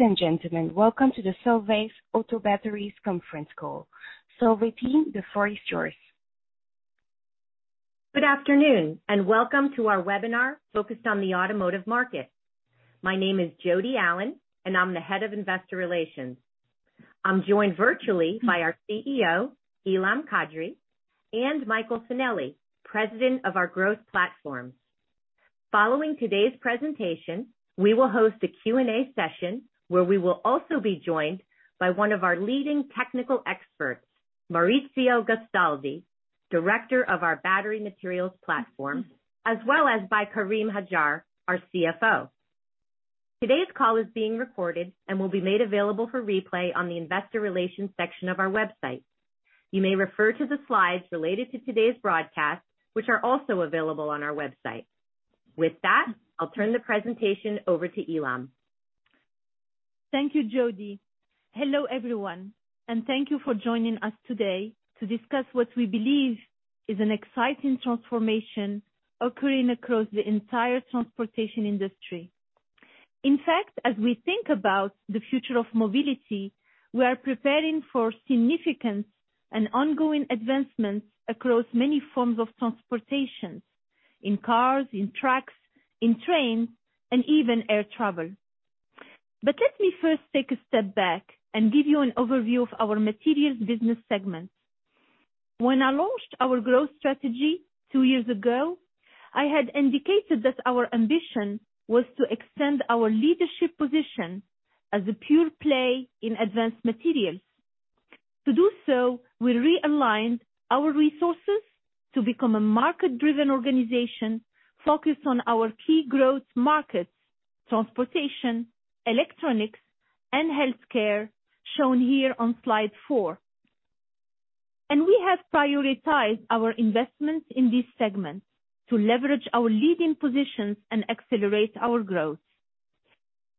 Ladies and gentlemen, welcome to the Solvay's Auto Batteries conference call. Solvay team, the floor is yours. Good afternoon, and welcome to our webinar focused on the automotive market. My name is Jodi Allen, and I'm the Head of Investor Relations. I'm joined virtually by our CEO, Ilham Kadri, and Michael Finelli, President of our growth platforms. Following today's presentation, we will host a Q&A session where we will also be joined by one of our leading technical experts, Maurizio Gastaldi, Director of our Battery Materials Platform, as well as by Karim Hajjar, our CFO. Today's call is being recorded and will be made available for replay on the investor relations section of our website. You may refer to the slides related to today's broadcast, which are also available on our website. With that, I'll turn the presentation over to Ilham. Thank you, Jodi. Hello, everyone, and thank you for joining us today to discuss what we believe is an exciting transformation occurring across the entire transportation industry. In fact, as we think about the future of mobility, we are preparing for significant and ongoing advancements across many forms of transportations, in cars, in trucks, in trains, and even air travel. Let me first take a step back and give you an overview of our materials business segment. When I launched our growth strategy two years ago, I had indicated that our ambition was to extend our leadership position as a pure play in advanced materials. To do so, we realigned our resources to become a market-driven organization focused on our key growth markets: transportation, electronics, and healthcare, shown here on Slide 4. We have prioritized our investments in these segments to leverage our leading positions and accelerate our growth.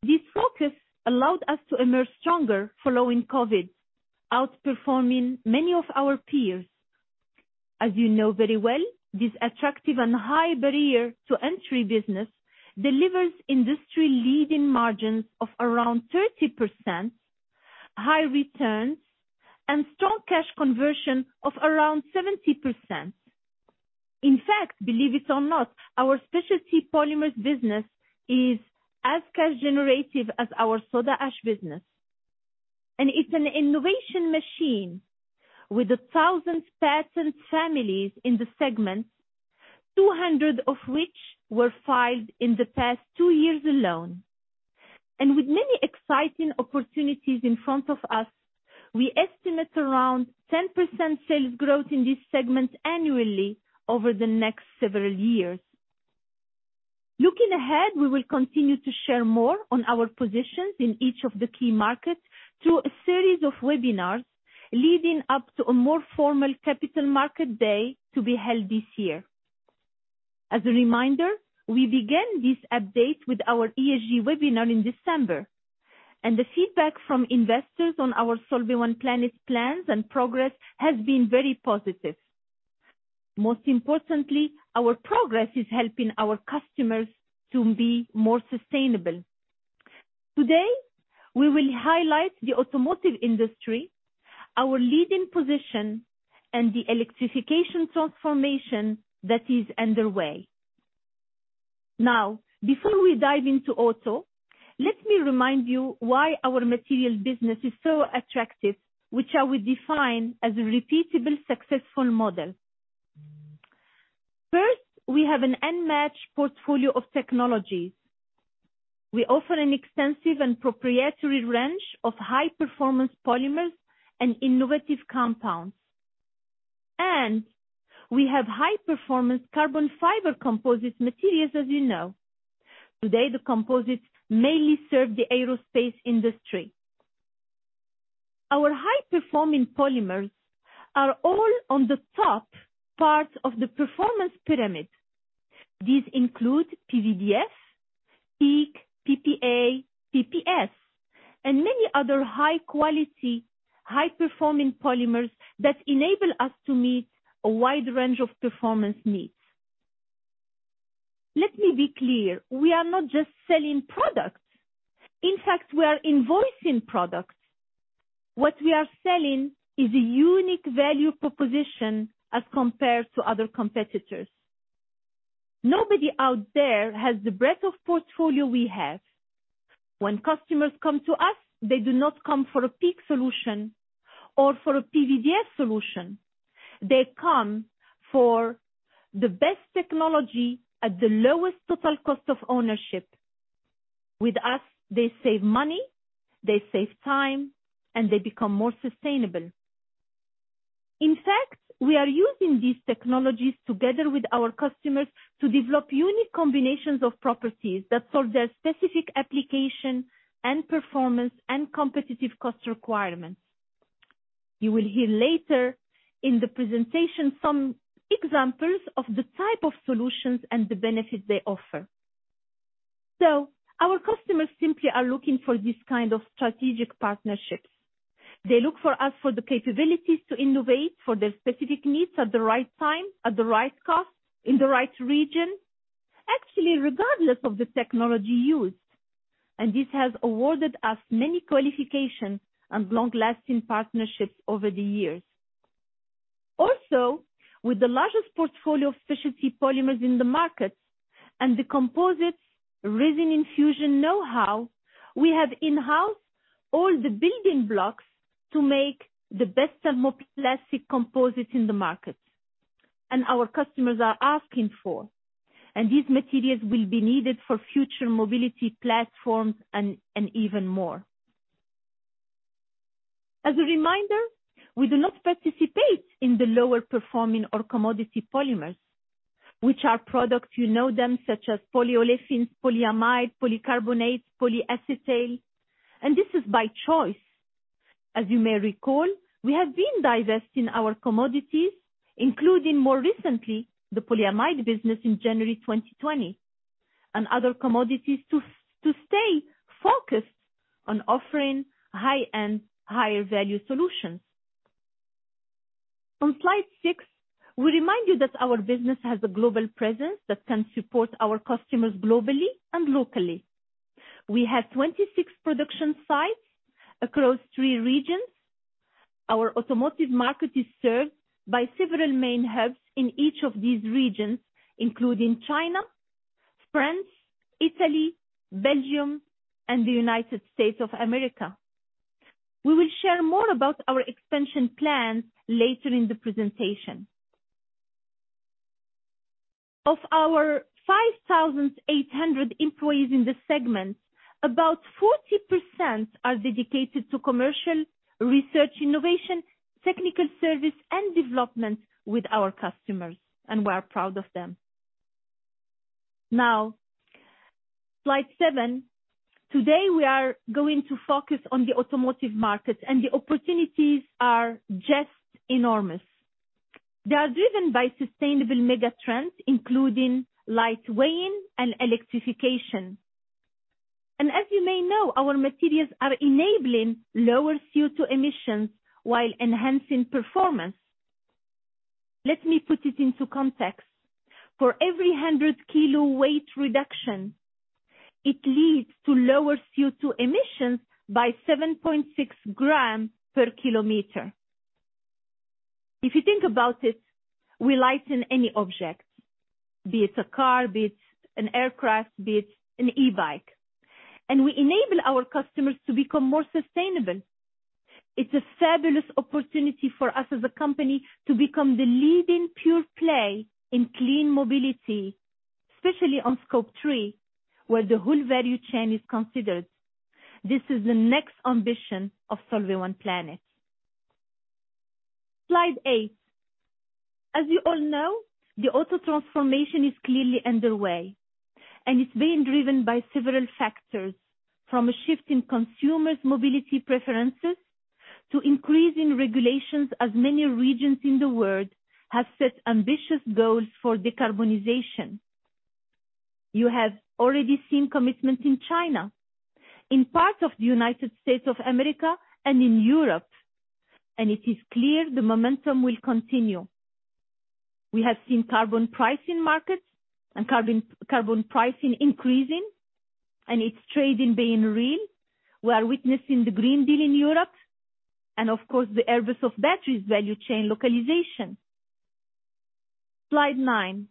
This focus allowed us to emerge stronger following COVID-19, outperforming many of our peers. As you know very well, this attractive and high barrier to entry business delivers industry-leading margins of around 30%, high returns, and strong cash conversion of around 70%. In fact, believe it or not, our Specialty Polymers business is as cash generative as our Soda Ash business. It's an innovation machine with 1,000 patent families in the segment, 200 of which were filed in the past two years alone. With many exciting opportunities in front of us, we estimate around 10% sales growth in this segment annually over the next several years. Looking ahead, we will continue to share more on our positions in each of the key markets through a series of webinars leading up to a more formal Capital Markets Day to be held this year. As a reminder, we began this update with our ESG webinar in December, and the feedback from investors on our Solvay One Planet plans and progress has been very positive. Most importantly, our progress is helping our customers to be more sustainable. Today, we will highlight the automotive industry, our leading position, and the electrification transformation that is underway. Now, before we dive into Auto, let me remind you why our Materials business is so attractive, which I will define as a repeatable, successful model. First, we have an unmatched portfolio of technologies. We offer an extensive and proprietary range of high-performance polymers and innovative compounds. We have high-performance carbon fiber composites materials, as you know. Today, the composites mainly serve the aerospace industry. Our high-performing polymers are all on the top part of the performance pyramid. These include PVDF, PEEK, PPA, PPS, and many other high quality, high-performing polymers that enable us to meet a wide range of performance needs. Let me be clear, we are not just selling products. In fact, we are offering products. What we are selling is a unique value proposition as compared to other competitors. Nobody out there has the breadth of portfolio we have. When customers come to us, they do not come for a PEEK solution or for a PVDF solution. They come for the best technology at the lowest total cost of ownership. With us, they save money, they save time, and they become more sustainable. In fact, we are using these technologies together with our customers to develop unique combinations of properties that solve their specific application and performance and competitive cost requirements. You will hear later in the presentation some examples of the type of solutions and the benefits they offer. Our customers simply are looking for this kind of strategic partnerships. They look for us for the capabilities to innovate for their specific needs at the right time, at the right cost, in the right region, actually, regardless of the technology used. This has awarded us many qualifications and long-lasting partnerships over the years. With the largest portfolio of Specialty Polymers in the market and the composites resin infusion know-how, we have in-house all the building blocks to make the best and more plastic composites in the market, and our customers are asking for, and these materials will be needed for future mobility platforms and even more. As a reminder, we do not participate in the lower performing or commodity polymers, which are products you know them, such as polyolefins, polyamide, polycarbonate, polyacetal, and this is by choice. As you may recall, we have been divesting our commodities, including more recently, the Polyamide business in January 2020, and other commodities to stay focused on offering high-end, higher value solutions. On Slide 6, we remind you that our business has a global presence that can support our customers globally and locally. We have 26 production sites across three regions. Our Automotive market is served by several main hubs in each of these regions, including China, France, Italy, Belgium, and the United States of America. We will share more about our expansion plans later in the presentation. Of our 5,800 employees in the segment, about 40% are dedicated to commercial, research innovation, technical service, and development with our customers, and we are proud of them. Now, Slide 7. Today, we are going to focus on the Automotive market, and the opportunities are just enormous. They are driven by sustainable mega trends, including lightweighting and electrification. As you may know, our materials are enabling lower CO₂ emissions while enhancing performance. Let me put it into context. For every 100 kg weight reduction, it leads to lower CO₂ emissions by 7.6 g/km. If you think about it, we lighten any object, be it a car, be it an aircraft, be it an e-bike, and we enable our customers to become more sustainable. It's a fabulous opportunity for us as a company to become the leading pure play in clean mobility, especially on Scope 3, where the whole value chain is considered. This is the next ambition of Solvay One Planet. Slide 8. As you all know, the auto transformation is clearly underway, and it's being driven by several factors, from a shift in consumers' mobility preferences to increase in regulations, as many regions in the world have set ambitious goals for decarbonization. You have already seen commitment in China, in parts of the United States of America, and in Europe, and it is clear the momentum will continue. We have seen carbon pricing markets and carbon pricing increasing, and its trading being real. We are witnessing the Green Deal in Europe and of course, the inroads into the battery value chain localization. Slide 9.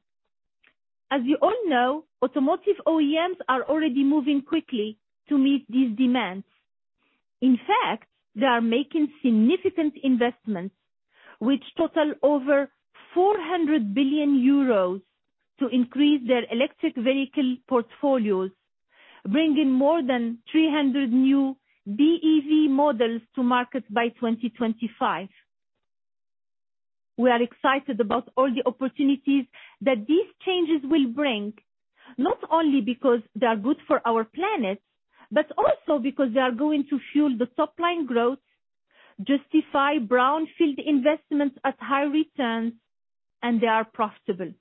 As you all know, automotive OEMs are already moving quickly to meet these demands. In fact, they are making significant investments which total over 400 billion euros to increase their electric vehicle portfolios, bringing more than 300 new BEV models to market by 2025. We are excited about all the opportunities that these changes will bring, not only because they are good for our planet, but also because they are going to fuel the top-line growth, justify brownfield investments at high returns, and they are profitable.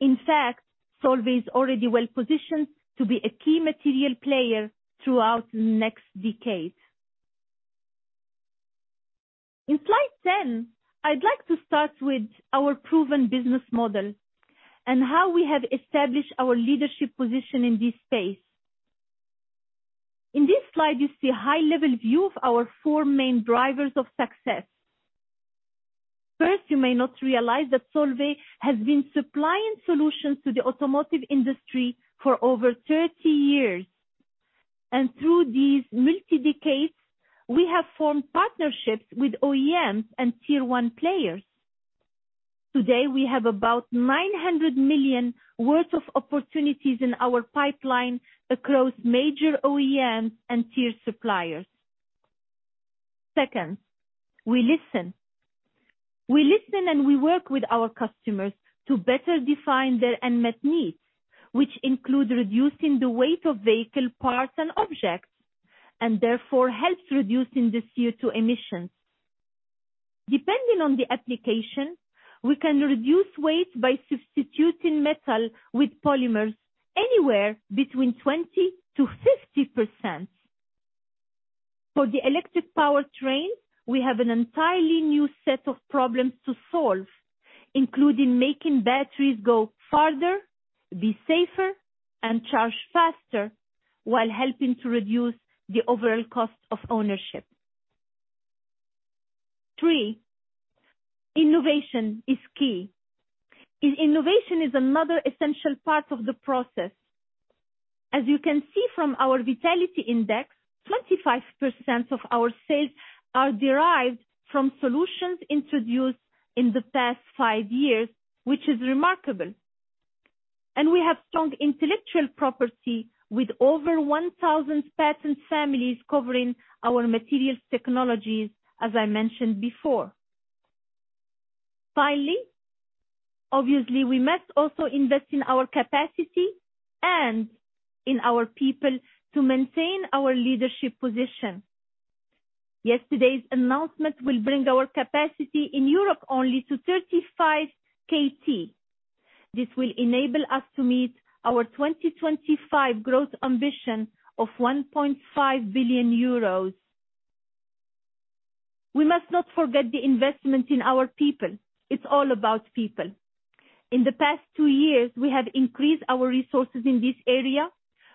In fact, Solvay is already well-positioned to be a key material player throughout the next decades. In Slide 10, I'd like to start with our proven business model and how we have established our leadership position in this space. In this slide, you see a high-level view of our four main drivers of success. First, you may not realize that Solvay has been supplying solutions to the automotive industry for over 30 years, and through these multi-decades, we have formed partnerships with OEMs and tier one players. Today, we have about 900 million worth of opportunities in our pipeline across major OEMs and tier suppliers. Second, we listen. We listen, and we work with our customers to better define their unmet needs, which include reducing the weight of vehicle parts and objects, and therefore helps reducing the CO₂ emissions. Depending on the application, we can reduce weight by substituting metal with polymers anywhere between 20%-50%. For the electric powertrain, we have an entirely new set of problems to solve, including making batteries go farther, be safer, and charge faster while helping to reduce the overall cost of ownership. Three, innovation is key. Innovation is another essential part of the process. As you can see from our Vitality Index, 25% of our sales are derived from solutions introduced in the past five years, which is remarkable. We have strong intellectual property with over 1,000 patent families covering our materials technologies, as I mentioned before. Finally, obviously, we must also invest in our capacity and in our people to maintain our leadership position. Yesterday's announcement will bring our capacity in Europe only to 35 KT. This will enable us to meet our 2025 growth ambition of 1.5 billion euros. We must not forget the investment in our people. It's all about people. In the past two years, we have increased our resources in this area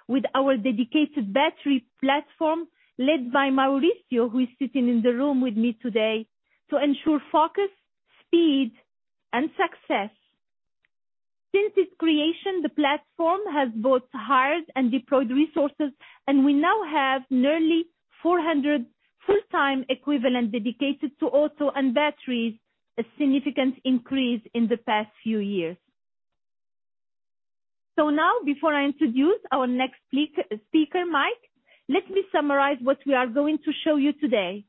with our dedicated battery platform led by Maurizio, who is sitting in the room with me today, to ensure focus, speed, and success. Since its creation, the platform has both hired and deployed resources, and we now have nearly 400 full-time equivalent dedicated to auto and batteries, a significant increase in the past few years. Now, before I introduce our next speaker, Mike, let me summarize what we are going to show you today.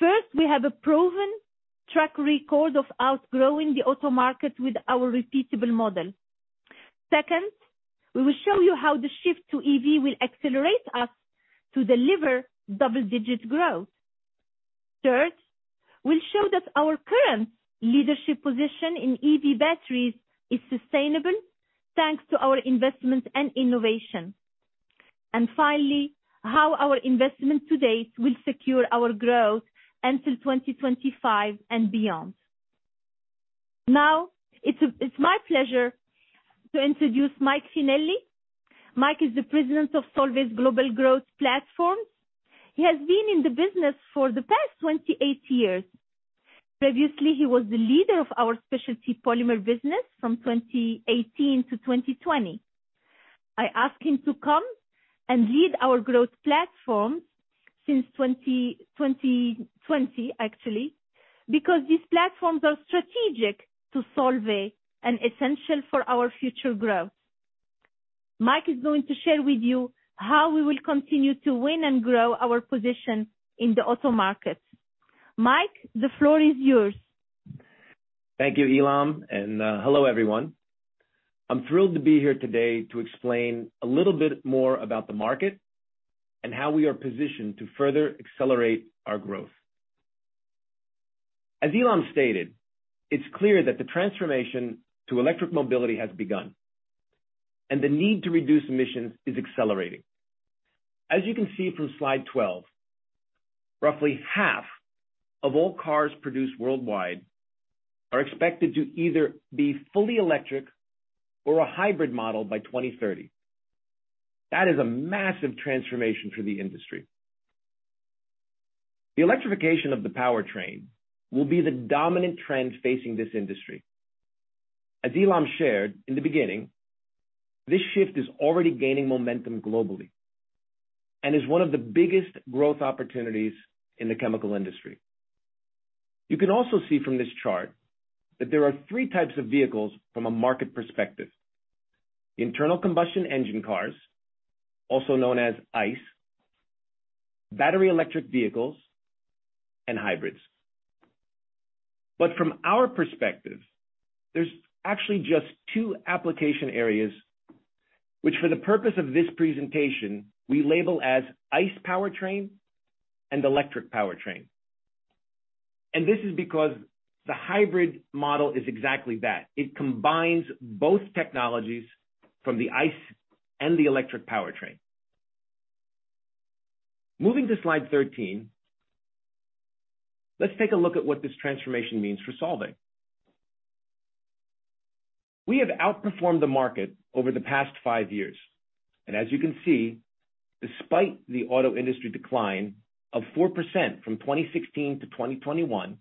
First, we have a proven track record of outgrowing the auto market with our repeatable model. Second, we will show you how the shift to EV will accelerate us to deliver double-digit growth. Third, we'll show that our current leadership position in EV batteries is sustainable thanks to our investments and innovation. Finally, how our investment to date will secure our growth until 2025 and beyond. Now, it's my pleasure to introduce Mike Finelli. Mike is the President of Solvay's Global Growth Platforms. He has been in the business for the past 28 years. Previously, he was the leader of our Specialty Polymers business from 2018-2020. I asked him to come and lead our growth platforms since 2020, actually, because these platforms are strategic to Solvay and essential for our future growth. Mike is going to share with you how we will continue to win and grow our position in the auto market. Mike, the floor is yours. Thank you, Ilham, and, hello, everyone. I'm thrilled to be here today to explain a little bit more about the market and how we are positioned to further accelerate our growth. As Ilham stated, it's clear that the transformation to electric mobility has begun, and the need to reduce emissions is accelerating. As you can see from Slide 12, roughly half of all cars produced worldwide are expected to either be fully electric or a hybrid model by 2030. That is a massive transformation for the industry. The electrification of the powertrain will be the dominant trend facing this industry. As Ilham shared in the beginning, this shift is already gaining momentum globally and is one of the biggest growth opportunities in the chemical industry. You can also see from this chart that there are three types of vehicles from a market perspective: internal combustion engine cars, also known as ICE, battery electric vehicles, and hybrids. From our perspective, there's actually just two application areas, which for the purpose of this presentation, we label as ICE powertrain and electric powertrain. This is because the hybrid model is exactly that. It combines both technologies from the ICE and the electric powertrain. Moving to Slide 13, let's take a look at what this transformation means for Solvay. We have outperformed the market over the past five years. As you can see, despite the auto industry decline of 4% from 2016 to 2021,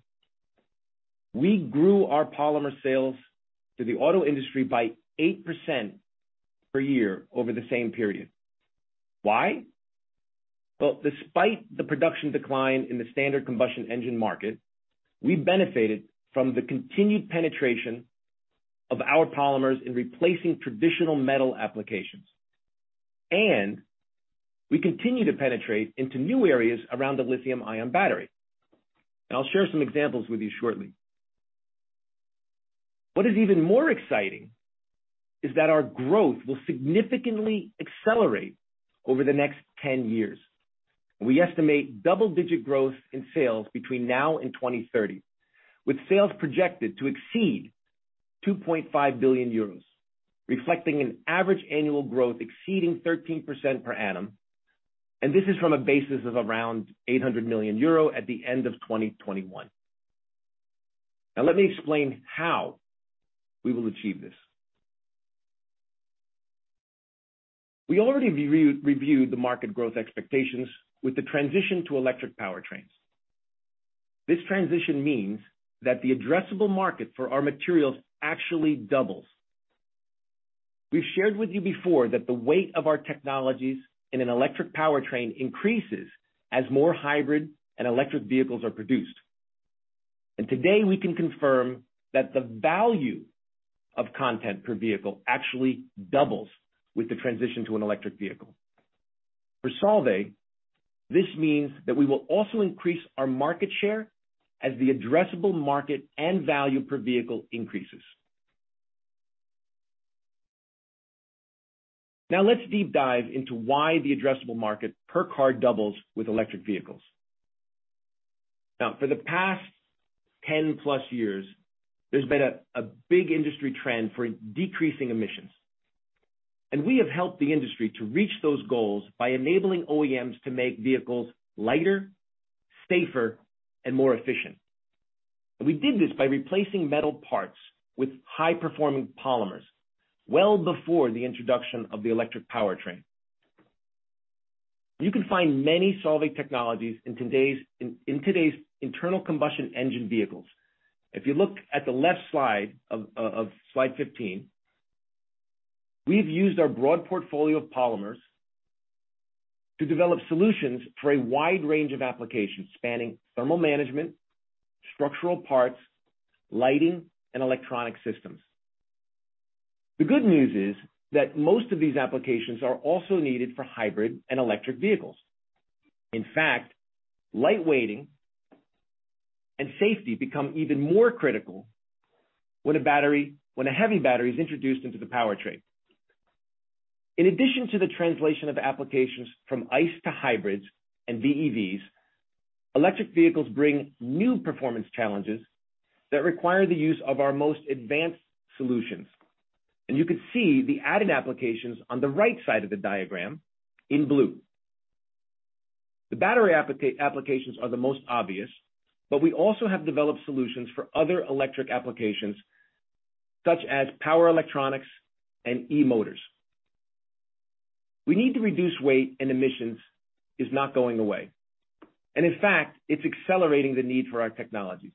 we grew our polymer sales to the auto industry by 8% per year over the same period. Why? Well, despite the production decline in the standard combustion engine market, we benefited from the continued penetration of our polymers in replacing traditional metal applications. We continue to penetrate into new areas around the lithium-ion battery. I'll share some examples with you shortly. What is even more exciting is that our growth will significantly accelerate over the next 10 years. We estimate double-digit growth in sales between now and 2030, with sales projected to exceed 2.5 billion euros, reflecting an average annual growth exceeding 13% per annum. This is from a basis of around 800 million euro at the end of 2021. Now let me explain how we will achieve this. We already reviewed the market growth expectations with the transition to electric powertrains. This transition means that the addressable market for our materials actually doubles. We've shared with you before that the weight of our technologies in an electric powertrain increases as more hybrid and electric vehicles are produced. Today, we can confirm that the value of content per vehicle actually doubles with the transition to an electric vehicle. For Solvay, this means that we will also increase our market share as the addressable market and value per vehicle increases. Now let's deep dive into why the addressable market per car doubles with electric vehicles. Now, for the past 10+ years, there's been a big industry trend for decreasing emissions. We have helped the industry to reach those goals by enabling OEMs to make vehicles lighter, safer, and more efficient. We did this by replacing metal parts with high-performing polymers well before the introduction of the electric powertrain. You can find many Solvay technologies in today's internal combustion engine vehicles. If you look at the left slide of Slide 15, we've used our broad portfolio of polymers to develop solutions for a wide range of applications spanning thermal management, structural parts, lighting, and electronic systems. The good news is that most of these applications are also needed for hybrid and electric vehicles. In fact, light weighting and safety become even more critical when a heavy battery is introduced into the powertrain. In addition to the translation of applications from ICE to hybrids and BEVs, electric vehicles bring new performance challenges that require the use of our most Advanced Solutions. You can see the added applications on the right side of the diagram in blue. The battery applications are the most obvious, but we also have developed solutions for other electric applications such as power electronics and e-motors. We need to reduce weight, and emissions is not going away. In fact, it's accelerating the need for our technologies.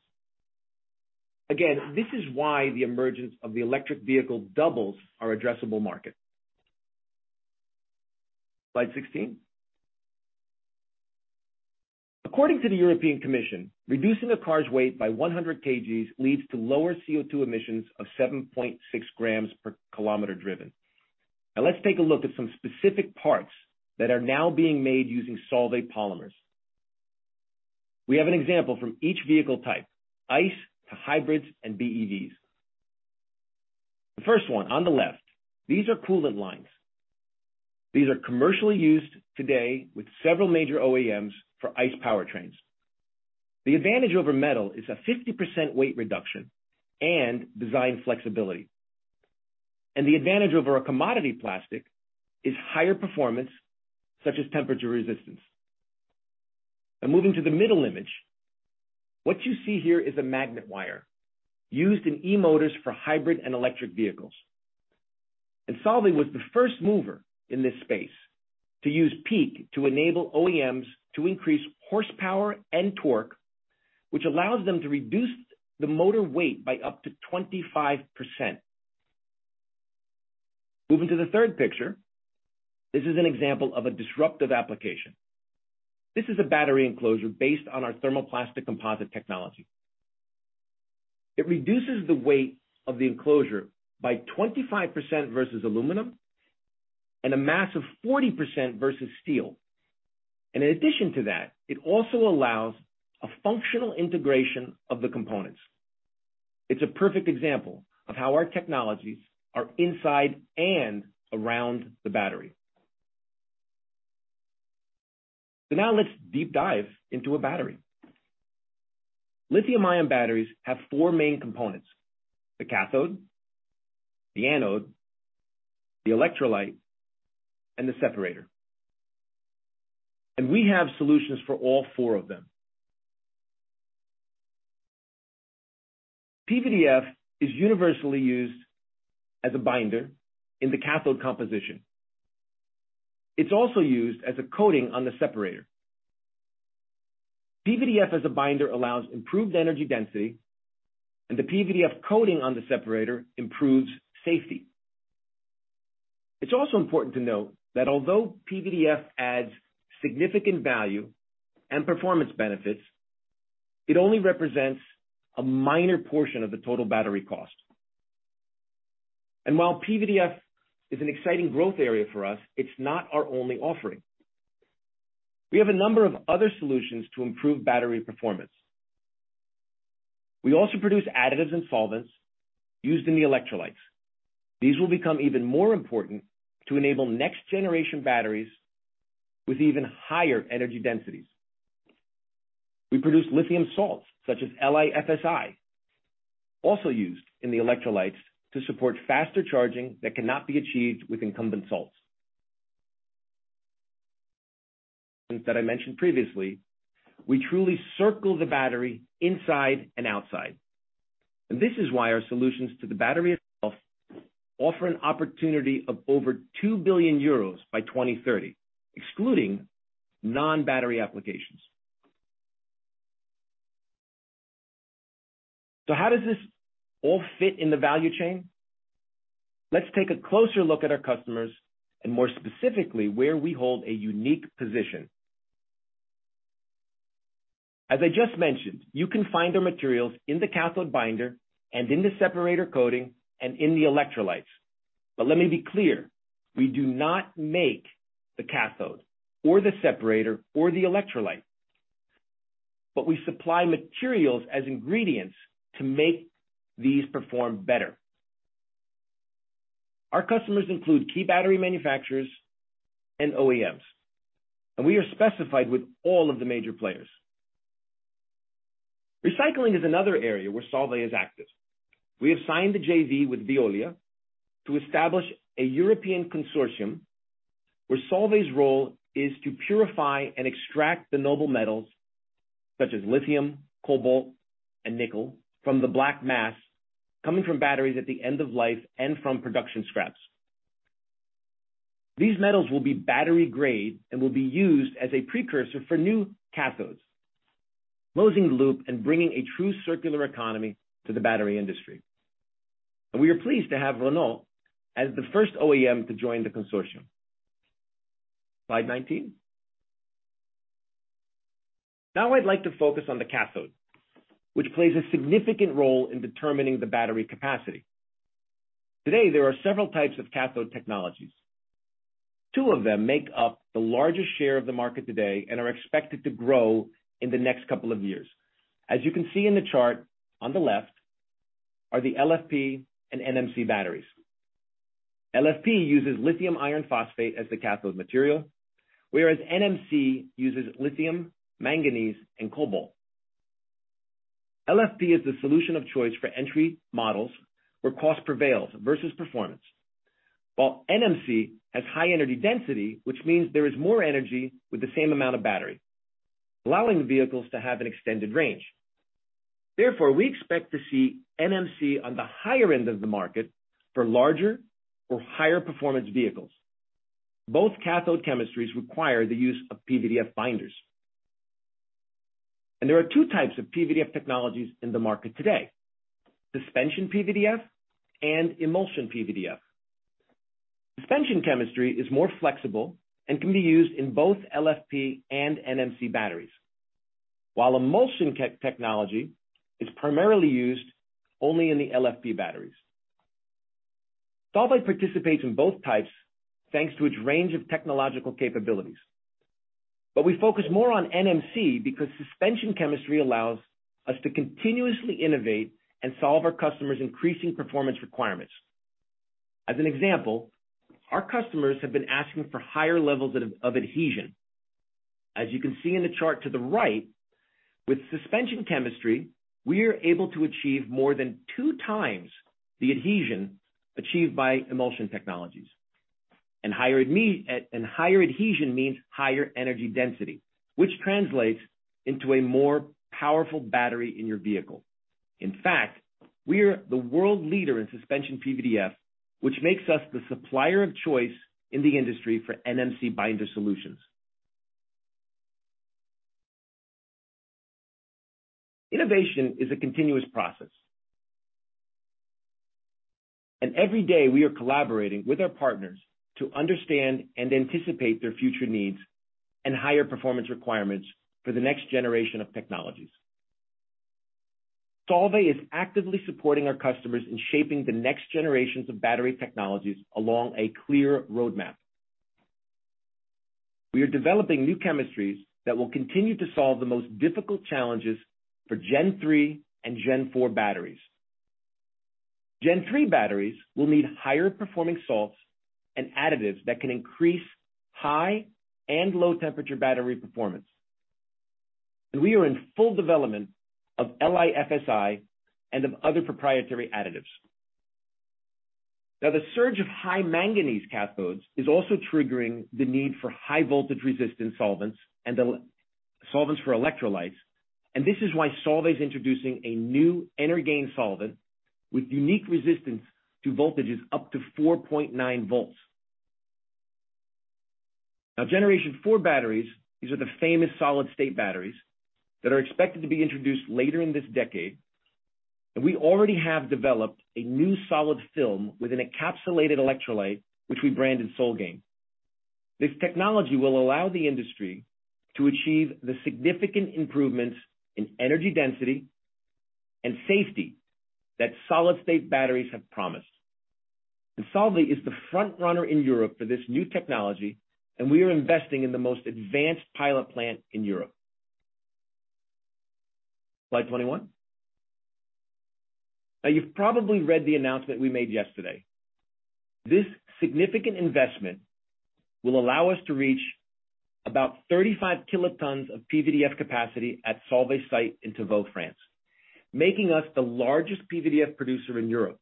Again, this is why the emergence of the electric vehicle doubles our addressable market. Slide 16. According to the European Commission, reducing a car's weight by 100 kg leads to lower CO₂ emissions of 7.6 g/km driven. Now let's take a look at some specific parts that are now being made using Solvay polymers. We have an example from each vehicle type, ICE to hybrids and BEVs. The first one on the left, these are coolant lines. These are commercially used today with several major OEMs for ICE powertrains. The advantage over metal is a 50% weight reduction and design flexibility. The advantage over a commodity plastic is higher performance, such as temperature resistance. Now moving to the middle image, what you see here is a magnet wire used in e-motors for hybrid and electric vehicles. Solvay was the first mover in this space to use PEEK to enable OEMs to increase horsepower and torque, which allows them to reduce the motor weight by up to 25%. Moving to the third picture, this is an example of a disruptive application. This is a battery enclosure based on our thermoplastic composite technology. It reduces the weight of the enclosure by 25% versus aluminum and a massive 40% versus steel. In addition to that, it also allows a functional integration of the components. It's a perfect example of how our technologies are inside and around the battery. Now let's deep dive into a battery. Lithium-ion batteries have four main components, the cathode, the anode, the electrolyte, and the separator. We have solutions for all four of them. PVDF is universally used as a binder in the cathode composition. It's also used as a coating on the separator. PVDF as a binder allows improved energy density, and the PVDF coating on the separator improves safety. It's also important to note that although PVDF adds significant value and performance benefits, it only represents a minor portion of the total battery cost. While PVDF is an exciting growth area for us, it's not our only offering. We have a number of other solutions to improve battery performance. We also produce additives and solvents used in the electrolytes. These will become even more important to enable next-generation batteries with even higher energy densities. We produce lithium salts such as LIFSI, also used in the electrolytes to support faster charging that cannot be achieved with incumbent salts. That I mentioned previously, we truly circle the battery inside and outside. This is why our solutions to the battery itself offer an opportunity of over 2 billion euros by 2030, excluding non-battery applications. How does this all fit in the value chain? Let's take a closer look at our customers and more specifically where we hold a unique position. As I just mentioned, you can find our materials in the cathode binder and in the separator coating and in the electrolytes. Let me be clear, we do not make the cathode or the separator or the electrolyte, but we supply materials as ingredients to make these perform better. Our customers include key battery manufacturers and OEMs, and we are specified with all of the major players. Recycling is another area where Solvay is active. We have signed the JV with Veolia to establish a European consortium where Solvay's role is to purify and extract the noble metals such as lithium, cobalt, and nickel from the black mass coming from batteries at the end of life and from production scraps. These metals will be battery grade and will be used as a precursor for new cathodes, closing the loop and bringing a true circular economy to the battery industry. We are pleased to have Renault as the first OEM to join the consortium. Slide 19. Now I'd like to focus on the cathode, which plays a significant role in determining the battery capacity. Today, there are several types of cathode technologies. Two of them make up the largest share of the market today and are expected to grow in the next couple of years. As you can see in the chart on the left are the LFP and NMC batteries. LFP uses lithium iron phosphate as the cathode material, whereas NMC uses lithium, manganese, and cobalt. LFP is the solution of choice for entry models where cost prevails versus performance. While NMC has high energy density, which means there is more energy with the same amount of battery, allowing vehicles to have an extended range. Therefore, we expect to see NMC on the higher end of the market for larger or higher performance vehicles. Both cathode chemistries require the use of PVDF binders. There are two types of PVDF technologies in the market today: suspension PVDF and emulsion PVDF. Suspension chemistry is more flexible and can be used in both LFP and NMC batteries. While emulsion technology is primarily used only in the LFP batteries. Solvay participates in both types, thanks to its range of technological capabilities. We focus more on NMC because suspension chemistry allows us to continuously innovate and solve our customers' increasing performance requirements. As an example, our customers have been asking for higher levels of adhesion. As you can see in the chart to the right, with suspension chemistry, we are able to achieve more than 2x the adhesion achieved by emulsion technologies. Higher adhesion means higher energy density, which translates into a more powerful battery in your vehicle. In fact, we are the world leader in suspension PVDF, which makes us the supplier of choice in the industry for NMC binder solutions. Innovation is a continuous process. Every day we are collaborating with our partners to understand and anticipate their future needs and higher performance requirements for the next generation of technologies. Solvay is actively supporting our customers in shaping the next generations of battery technologies along a clear roadmap. We are developing new chemistries that will continue to solve the most difficult challenges for Gen 3 and Gen 4 batteries. Gen 3 batteries will need higher performing salts and additives that can increase high and low temperature battery performance. We are in full development of LIFSI and of other proprietary additives. Now, the surge of high manganese cathodes is also triggering the need for high voltage resistance solvents and the solvents for electrolytes. This is why Solvay is introducing a new Energain solvent with unique resistance to voltages up to 4.9 V. Gen 4 batteries, these are the famous solid-state batteries that are expected to be introduced later in this decade. We already have developed a new solid film with an encapsulated electrolyte, which we branded Solgain. This technology will allow the industry to achieve the significant improvements in energy density and safety that solid-state batteries have promised. Solvay is the front runner in Europe for this new technology, and we are investing in the most advanced pilot plant in Europe. Slide 21. Now, you've probably read the announcement we made yesterday. This significant investment will allow us to reach about 35 kt of PVDF capacity at Solvay's site in Tavaux, France, making us the largest PVDF producer in Europe.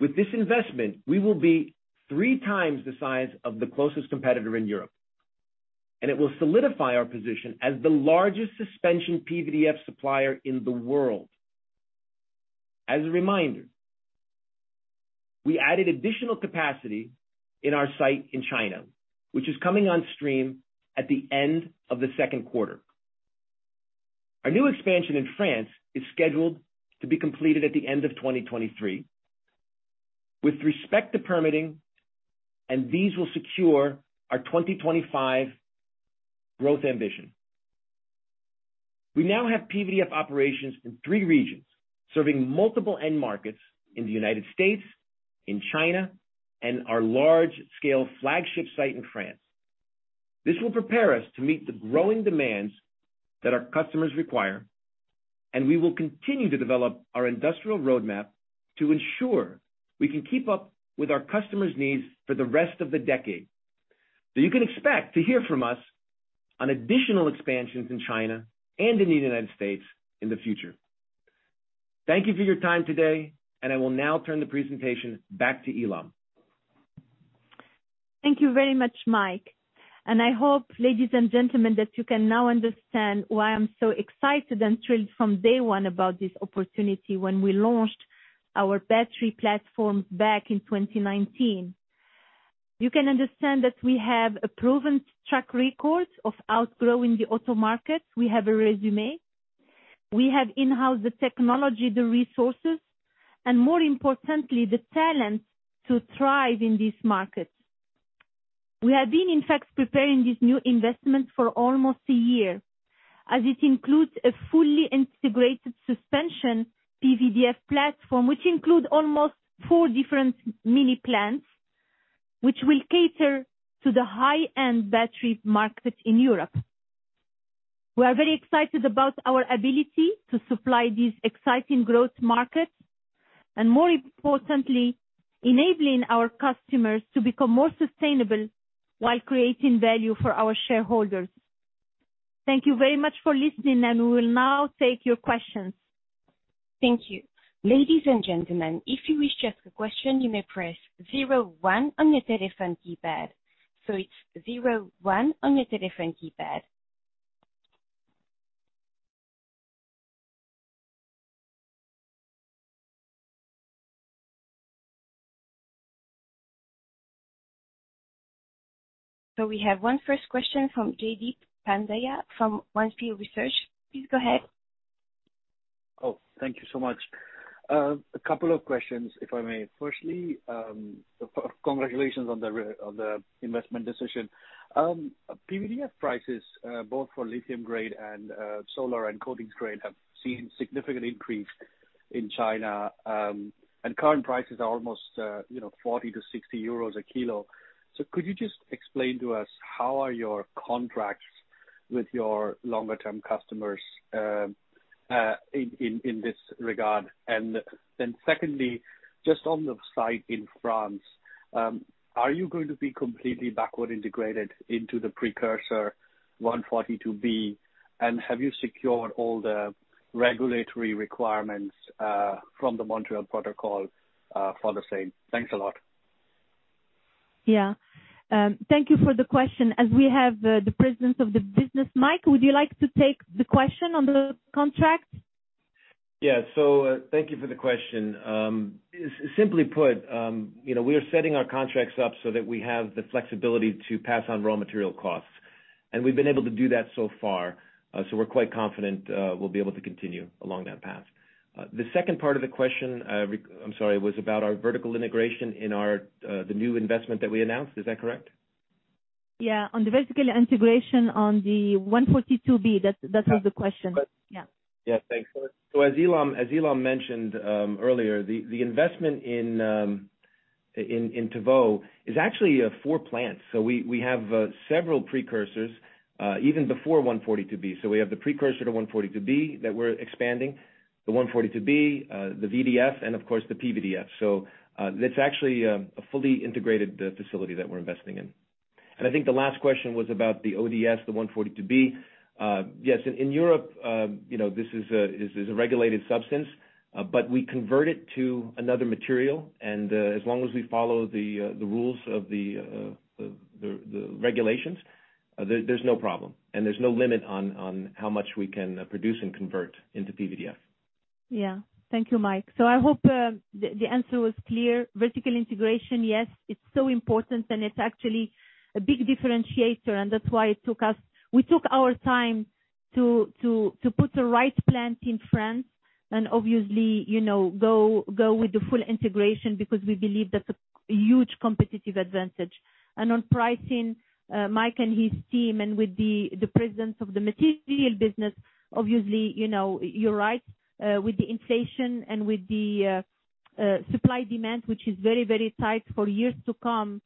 With this investment, we will be three times the size of the closest competitor in Europe, and it will solidify our position as the largest suspension PVDF supplier in the world. As a reminder, we added additional capacity in our site in China, which is coming on stream at the end of the second quarter. Our new expansion in France is scheduled to be completed at the end of 2023. With respect to permitting, these will secure our 2025 growth ambition. We now have PVDF operations in three regions, serving multiple end markets in the U.S., in China, and our large-scale flagship site in France. This will prepare us to meet the growing demands that our customers require, and we will continue to develop our industrial roadmap to ensure we can keep up with our customers' needs for the rest of the decade. You can expect to hear from us on additional expansions in China and in the United States in the future. Thank you for your time today, and I will now turn the presentation back to Ilham. Thank you very much, Mike. I hope, ladies and gentlemen, that you can now understand why I'm so excited and thrilled from day one about this opportunity when we launched our battery platform back in 2019. You can understand that we have a proven track record of outgrowing the auto market. We have a resume. We have in-house the technology, the resources, and more importantly, the talent to thrive in this market. We have been, in fact, preparing this new investment for almost a year, as it includes a fully integrated suspension PVDF platform, which include almost four different mini plants, which will cater to the high-end battery market in Europe. We are very excited about our ability to supply these exciting growth markets, and more importantly, enabling our customers to become more sustainable while creating value for our shareholders. Thank you very much for listening, and we will now take your questions. Thank you. Ladies and gentlemen, if you wish to ask a question, you may press zero one on your telephone keypad. It's zero one on your telephone keypad. We have our first question from Jaideep Pandya from On Field Research. Please go ahead. Oh, thank you so much. A couple of questions, if I may. Firstly, congratulations on the investment decision. PVDF prices, both for lithium grade and solar and coatings grade, have seen significant increase in China, and current prices are almost, you know, 40-60 euros a kilo. Could you just explain to us how are your contracts with your longer-term customers in this regard? Then secondly, just on the site in France, are you going to be completely backward integrated into the precursor 142b? And have you secured all the regulatory requirements from the Montreal Protocol for the same? Thanks a lot. Yeah. Thank you for the question. As we have, the presence of the business, Mike, would you like to take the question on the contract? Yeah. Thank you for the question. Simply put, you know, we are setting our contracts up so that we have the flexibility to pass on raw material costs. We've been able to do that so far, so we're quite confident we'll be able to continue along that path. The second part of the question, I'm sorry, was about our vertical integration in our, the new investment that we announced. Is that correct? Yeah, on the vertical integration on the 142b. That was the question. Yeah. Yeah. Yeah, thanks. As Ilham mentioned earlier, the investment in Tavaux is actually four plants. We have several precursors even before 142b. We have the precursor to 142b that we're expanding, the 142b, the VDF, and of course, the PVDF. That's actually a fully integrated facility that we're investing in. I think the last question was about the ODS, the 142b. Yes, in Europe, you know, this is a regulated substance, but we convert it to another material. As long as we follow the rules of the regulations, there's no problem. There's no limit on how much we can produce and convert into PVDF. Yeah. Thank you, Mike. So I hope the answer was clear. Vertical integration, yes, it's so important, and it's actually a big differentiator, and that's why we took our time to put the right plant in France and obviously, you know, go with the full integration because we believe that's a huge competitive advantage. On pricing, Mike and his team, and with the presence of the Material business, obviously, you know, you're right. With the inflation and with the supply/demand, which is very, very tight for years to come,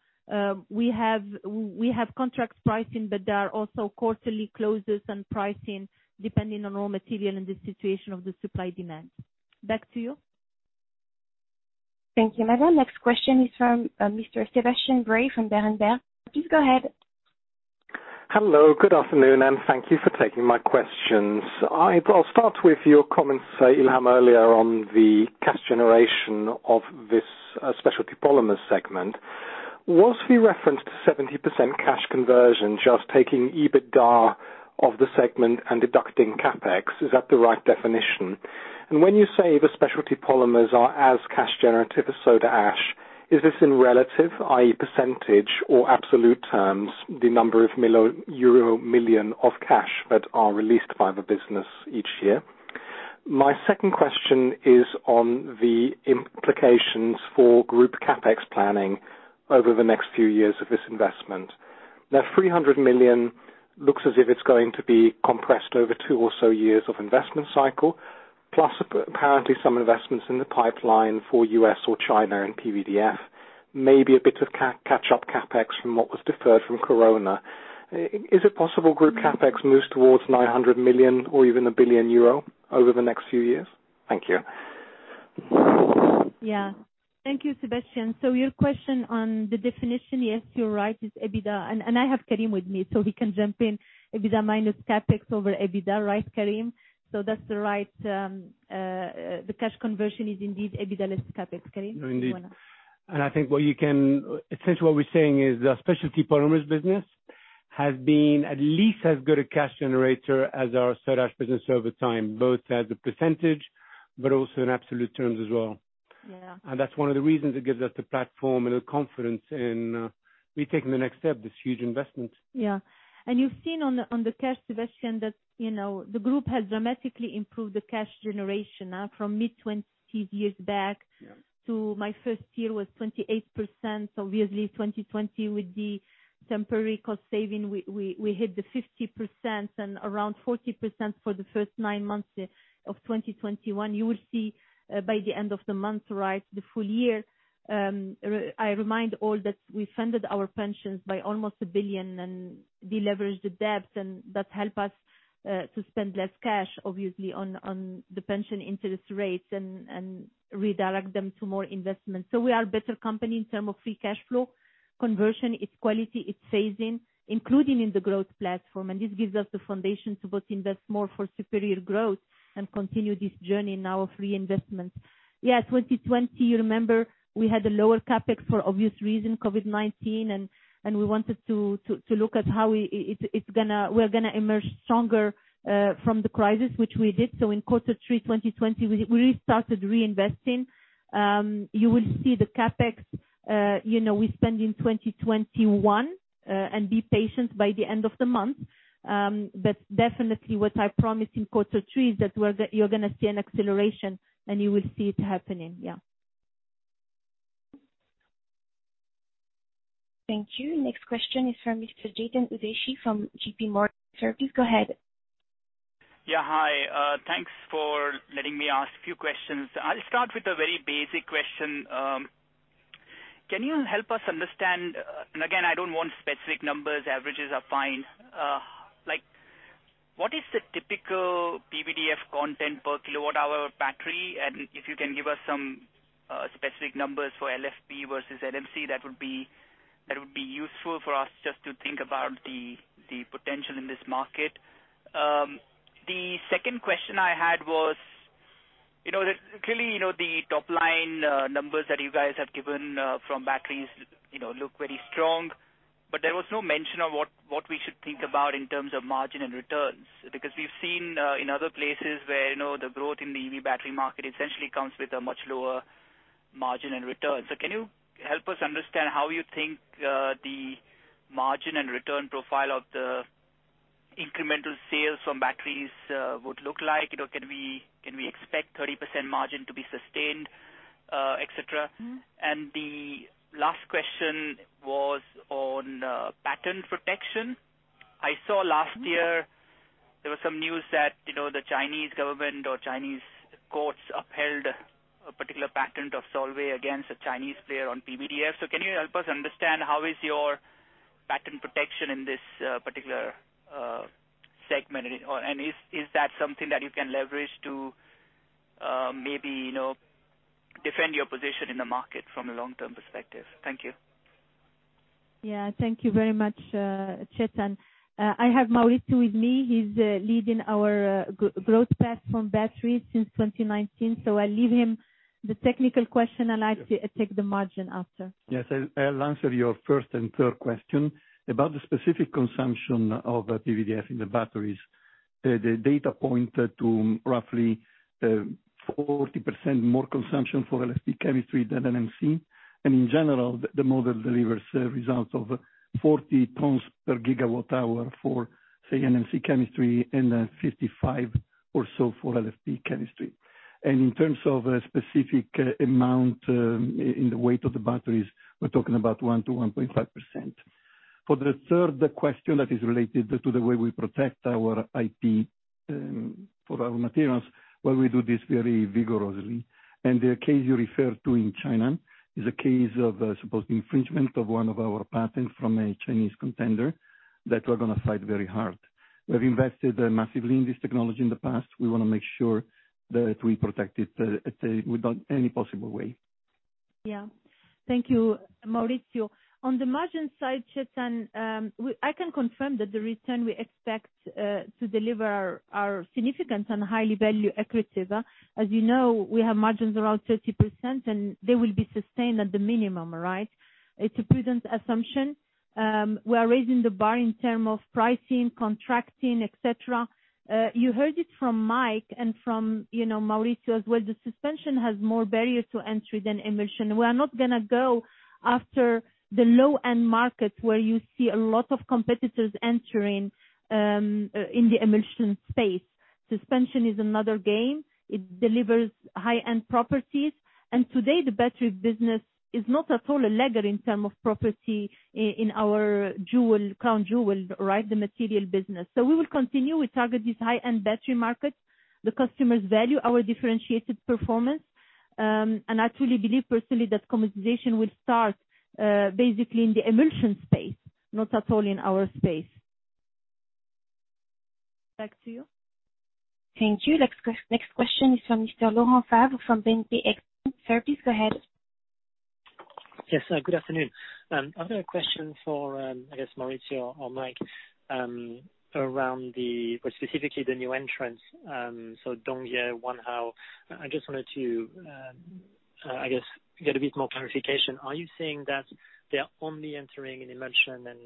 we have contracts pricing, but there are also quarterly closes and pricing depending on raw material and the situation of the supply/demand. Back to you. Thank you, Madame. Next question is from Mr. Sebastian Bray from Berenberg. Please go ahead. Hello, good afternoon, and thank you for taking my questions. I'll start with your comments, Ilham, earlier on the cash generation of this Specialty Polymers segment. Was the referenced 70% cash conversion just taking EBITDA of the segment and deducting CapEx? Is that the right definition? When you say the Specialty Polymers are as cash generative as Soda Ash, is this in relative, i.e. percentage, or absolute terms, the number of euro million of cash that are released by the business each year? My second question is on the implications for group CapEx planning over the next few years of this investment. That 300 million looks as if it's going to be compressed over two or so years of investment cycle, plus apparently some investments in the pipeline for U.S. or China and PVDF. Maybe a bit of catch up CapEx from what was deferred from Corona. Is it possible group CapEx moves towards 900 million or even 1 billion euro over the next few years? Thank you. Yeah. Thank you, Sebastian. Your question on the definition, yes, you're right, is EBITDA. I have Karim with me, so he can jump in. EBITDA minus CapEx over EBITDA, right, Karim? That's the right, the cash conversion is indeed EBITDA less CapEx, Karim. Do you wanna- No, indeed. I think essentially what we're saying is the Specialty Polymers business has been at least as good a cash generator as our Soda Ash business over time, both as a percentage, but also in absolute terms as well. Yeah. That's one of the reasons it gives us the platform and the confidence in we taking the next step, this huge investment. Yeah. You've seen on the cash, Sebastian, that, you know, the group has dramatically improved the cash generation from mid-20s years back- Yeah. Back to my first year was 28%. Obviously 2020 with the temporary cost saving, we hit the 50% and around 40% for the first nine months of 2021. You will see by the end of the month, right, the full-year. I remind all that we funded our pensions by almost 1 billion and deleveraged the debts and that help us to spend less cash, obviously, on the pension interest rates and redirect them to more investment. We are better company in terms of free cash flow. Conversion, it's quality, it's phasing, including in the growth platform, and this gives us the foundation to both invest more for superior growth and continue this journey now of reinvestment. Yeah, 2020, you remember, we had a lower CapEx for obvious reason, COVID-19, and we wanted to look at how we're gonna emerge stronger from the crisis, which we did. In quarter three, 2020, we restarted reinvesting. You will see the CapEx, you know, we spend in 2021, and be patient by the end of the month. Definitely what I promise in quarter three is that you're gonna see an acceleration, and you will see it happening. Yeah. Thank you. Next question is from Mr. Chetan Udeshi from JPMorgan. Sir, please go ahead. Yeah. Hi. Thanks for letting me ask a few questions. I'll start with a very basic question. Can you help us understand. Again, I don't want specific numbers, averages are fine. Like, what is the typical PVDF content per kilowatt-hour battery? And if you can give us some specific numbers for LFP versus NMC, that would be useful for us just to think about the potential in this market. The second question I had was, you know, that clearly, you know, the top-line numbers that you guys have given from batteries, you know, look very strong, but there was no mention of what we should think about in terms of margin and returns. Because we've seen in other places where, you know, the growth in the EV battery market essentially comes with a much lower margin and return. Can you help us understand how you think the margin and return profile of the incremental sales from batteries would look like? You know, can we expect 30% margin to be sustained, et cetera? The last question was on patent protection. Last year there was some news that, you know, the Chinese government or Chinese courts upheld a particular patent of Solvay against a Chinese player on PVDF. Can you help us understand how is your patent protection in this particular segment? Or is that something that you can leverage to maybe, you know, defend your position in the market from a long-term perspective? Thank you. Yeah. Thank you very much, Chetan. I have Maurizio with me. He's leading our growth path from batteries since 2019, so I'll leave him the technical question, and I take the margin after. Yes. I'll answer your first and third question. About the specific consumption of PVDF in the batteries, the data point to roughly 40% more consumption for LFP chemistry than NMC. In general, the model delivers results of- 40 tons per gigawatt hour for, say, NMC chemistry and then 55 or so for LFP chemistry. In terms of a specific amount, in the weight of the batteries, we're talking about 1-1.5%. For the third question that is related to the way we protect our IP, for our Materials, well, we do this very vigorously. The case you refer to in China is a case of supposed infringement of one of our patents from a Chinese contender that we're gonna fight very hard. We've invested massively in this technology in the past. We wanna make sure that we protect it with any possible way. Yeah. Thank you, Maurizio. On the margin side, Chetan, I can confirm that the return we expect to deliver are significant and highly value accretive. As you know, we have margins around 30%, and they will be sustained at the minimum, right? It's a prudent assumption. We are raising the bar in terms of pricing, contracting, et cetera. You heard it from Mike and from, you know, Maurizio as well. The suspension has more barriers to entry than emulsion. We are not gonna go after the low-end market where you see a lot of competitors entering in the emulsion space. Suspension is another game. It delivers high-end properties. Today, the battery business is not at all a laggard in terms of property in our crown jewel, right? The material business. We will continue. We target these high-end battery markets. The customers value our differentiated performance. I truly believe personally that commoditization will start, basically in the emulsion space, not at all in our space. Back to you. Thank you. Next question is from Mr. Laurent Favre from BNP Paribas. Sir, please go ahead. Yes. Good afternoon. I've got a question for, I guess, Maurizio or Mike, around the new entrants, so Dongyue, Wanhao. I just wanted to get a bit more clarification. Are you saying that they are only entering in emulsion and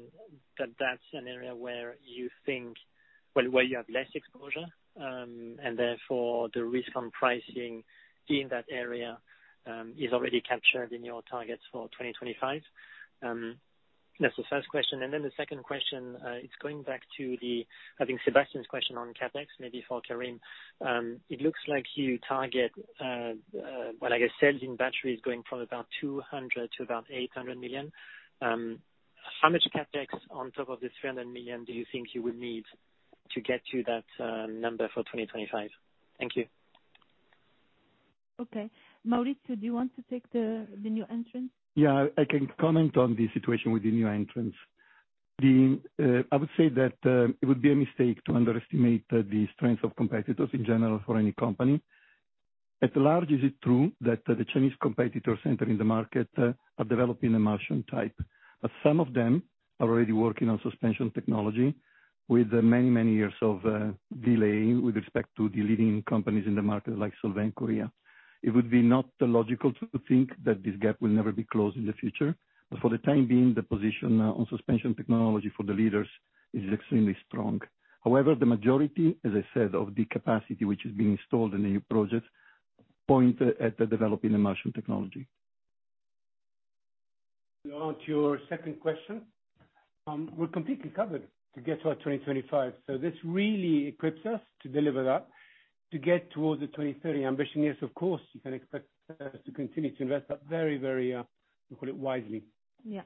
that that's an area where you think you have less exposure, and therefore the risk from pricing in that area is already captured in your targets for 2025? That's the first question. Then the second question, it's going back to the, I think, Sebastian's question on CapEx, maybe for Karim. It looks like you target sales in batteries going from about 200 million to about 800 million. How much CapEx on top of this 300 million do you think you would need to get to that number for 2025? Thank you. Okay. Maurizio, do you want to take the new entrants? Yeah. I can comment on the situation with the new entrants. I would say that it would be a mistake to underestimate the strength of competitors in general for any company. At large, it is true that the Chinese competitors entering the market are developing emulsion type. Some of them are already working on suspension technology with many years of delay with respect to the leading companies in the market like Solvay and Kureha. It would be not logical to think that this gap will never be closed in the future. For the time being, the position on suspension technology for the leaders is extremely strong. However, the majority, as I said, of the capacity which is being installed in the new projects point at the developing emulsion technology. Laurent, your second question. We're completely covered to get to our 2025, so this really equips us to deliver that. To get towards the 2030 ambition, yes, of course, you can expect us to continue to invest that very wisely. Yeah.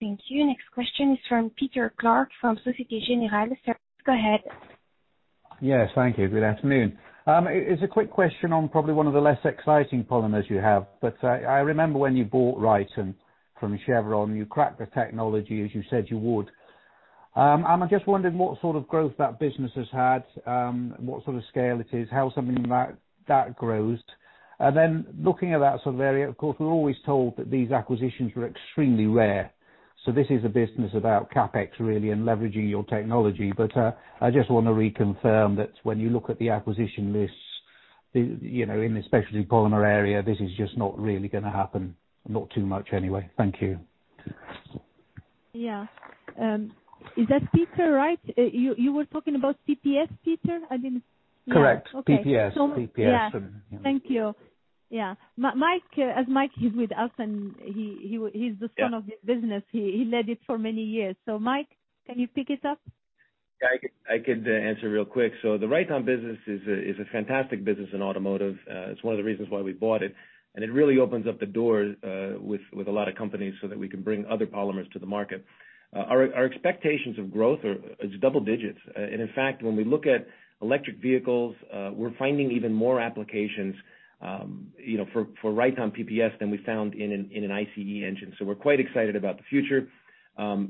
Thank you. Next question is from Peter Clark from Société Générale. Sir, go ahead. Yes. Thank you. Good afternoon. It is a quick question on probably one of the less exciting polymers you have. I remember when you bought Ryton from Chevron, you cracked the technology as you said you would. I just wondered what sort of growth that business has had, what sort of scale it is, how something like that grows. Looking at that sort of area, of course, we're always told that these acquisitions were extremely rare. This is a business about CapEx really and leveraging your technology. I just wanna reconfirm that when you look at the acquisition lists, you know, in the Specialty Polymers area, this is just not really gonna happen, not too much anyway. Thank you. Yeah. Is that Peter, right? You were talking about PPS, Peter? I didn't- Correct. Yeah. Okay. PPS. So mu- PPS Yeah. Thank you. Yeah. Mike, as Mike is with us and he's the son- Yeah of this business. He led it for many years. Mike, can you pick it up? Yeah. I could answer real quick. The Ryton business is a fantastic business in automotive. It's one of the reasons why we bought it, and it really opens up the door with a lot of companies so that we can bring other polymers to the market. Our expectations of growth are double-digits. In fact, when we look at electric vehicles, we're finding even more applications, you know, for Ryton PPS than we found in an ICE engine. We're quite excited about the future.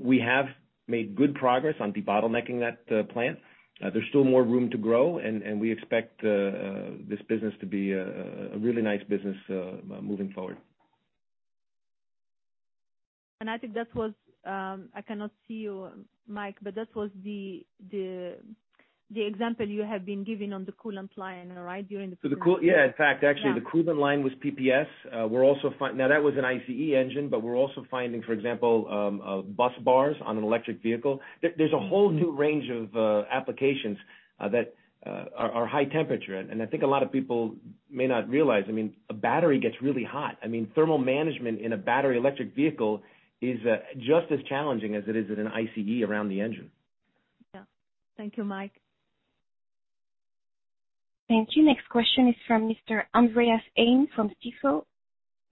We have made good progress on debottlenecking that plant. There's still more room to grow, and we expect this business to be a really nice business moving forward. I think that was, I cannot see you, Mike, but that was the example you have been giving on the coolant line, right? During the presentation. Yeah. In fact. Yeah Actually, the coolant line was PPS. Now, that was an ICE engine, but we're also finding, for example, bus bars on an electric vehicle. There- There's a whole new range of applications that are high temperature. I think a lot of people may not realize, I mean, a battery gets really hot. I mean, thermal management in a battery electric vehicle is just as challenging as it is in an ICE around the engine. Yeah. Thank you, Mike. Thank you. Next question is from Mr. Andreas Heine from Jefferies.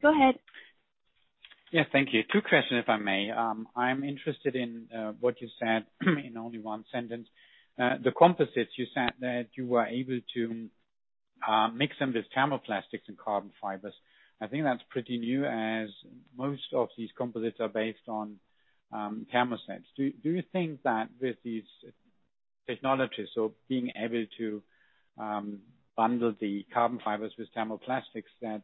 Go ahead. Yes, thank you. Two questions, if I may. I'm interested in what you said in only one sentence. The composites, you said that you were able to mix them with thermoplastics and carbon fibers. I think that's pretty new, as most of these composites are based on thermosets. Do you think that with these technologies, so being able to bundle the carbon fibers with thermoplastics, that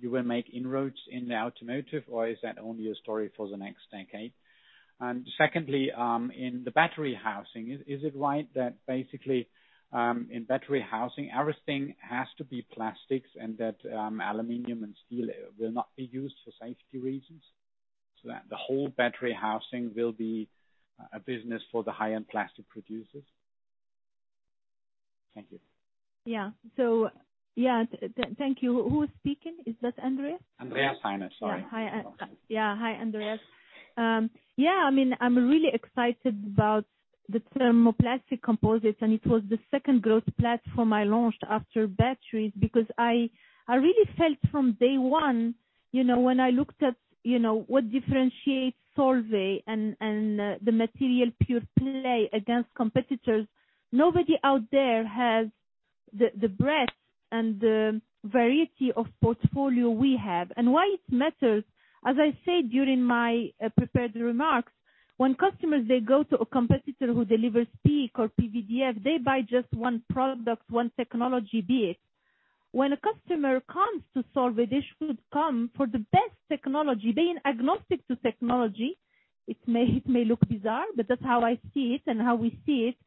you will make inroads in the automotive, or is that only a story for the next decade? And secondly, in the battery housing, is it right that basically in battery housing, everything has to be plastics and that aluminum and steel will not be used for safety reasons? So that the whole battery housing will be a business for the high-end plastic producers? Thank you. Yeah. Yeah, thank you. Who is speaking? Is that Andreas? Andreas Heine. Sorry. Hi, Andreas. I mean, I'm really excited about the thermoplastic composites, and it was the second growth platform I launched after batteries because I really felt from day one, you know, when I looked at, you know, what differentiates Solvay and the material pure play against competitors, nobody out there has the breadth and the variety of portfolio we have. Why it matters, as I said during my prepared remarks, when customers, they go to a competitor who delivers PEEK or PVDF, they buy just one product, one technology be it. When a customer comes to Solvay, they should come for the best technology, being agnostic to technology. It may look bizarre, but that's how I see it and how we see it.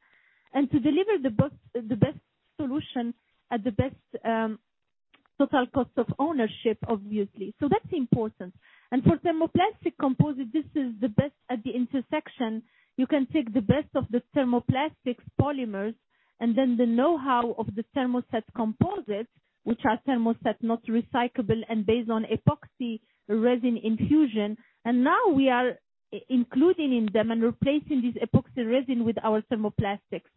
To deliver the best solution at the best total cost of ownership, obviously. That's important. For thermoplastic composite, this is the best at the intersection. You can take the best of the thermoplastic polymers and then the know-how of the thermoset composites, which are thermoset, not recyclable, and based on epoxy resin infusion. Now we are including in them and replacing this epoxy resin with our thermoplastics.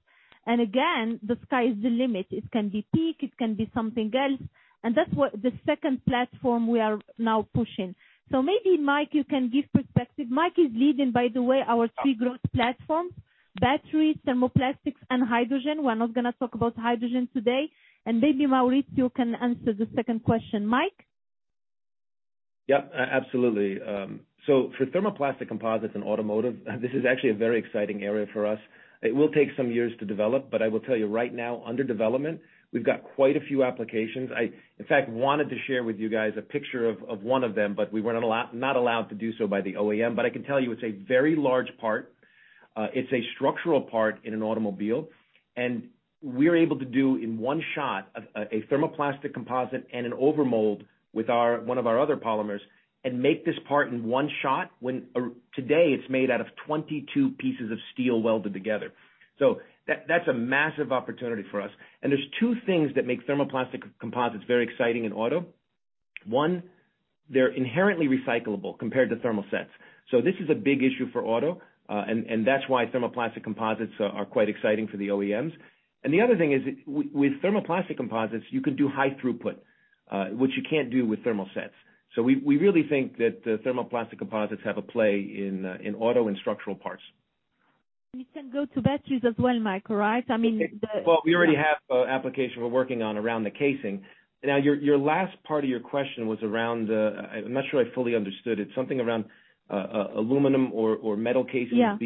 Again, the sky is the limit. It can be PEEK, it can be something else, and that's what the second platform we are now pushing. Maybe, Mike, you can give perspective. Mike is leading, by the way, our three growth platforms, batteries, thermoplastics and hydrogen. We're not gonna talk about hydrogen today. Maybe, Maurizio, can answer the second question. Mike? Absolutely. For thermoplastic composites and automotive, this is actually a very exciting area for us. It will take some years to develop, but I will tell you right now, under development, we've got quite a few applications. In fact, I wanted to share with you guys a picture of one of them, but we weren't allowed to do so by the OEM. I can tell you it's a very large part. It's a structural part in an automobile, and we're able to do in one shot a thermoplastic composite and an overmold with one of our other polymers and make this part in one shot, when today it's made out of 22 pieces of steel welded together. That's a massive opportunity for us. There's two things that make thermoplastic composites very exciting in auto. 1, they're inherently recyclable compared to thermosets. This is a big issue for auto. That's why thermoplastic composites are quite exciting for the OEMs. The other thing is with thermoplastic composites, you can do high throughput, which you can't do with thermosets. We really think that thermoplastic composites have a play in auto and structural parts. You can go to batteries as well, Mike, all right? I mean, Well, we already have a application we're working on around the casing. Now, your last part of your question was around, I'm not sure I fully understood it. Something around aluminum or metal casings. Yeah.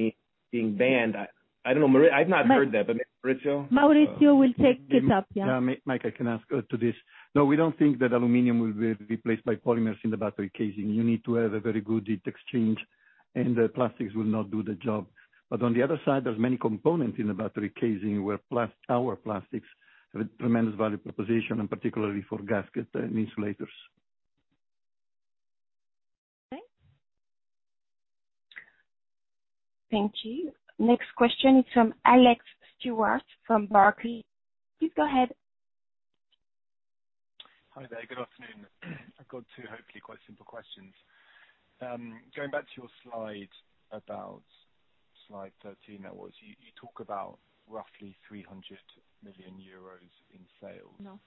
Being banned. I don't know. I've not heard that, but Maurizio? Maurizio will take this up. Yeah. Mike, I can add to this. No, we don't think that aluminum will be replaced by polymers in the battery casing. You need to have a very good heat exchange, and the plastics will not do the job. On the other side, there's many components in the battery casing where our plastics have a tremendous value proposition, and particularly for gasket and insulators. Okay. Thank you. Next question is from Alex Stewart from Barclays. Please go ahead. Hi there. Good afternoon. I've got two, hopefully quite simple questions. Going back to your slide about slide thirteen, you talk about roughly 300 million euros in sales- No